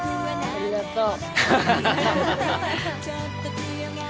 ありがとう。